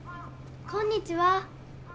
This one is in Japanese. こんにちは。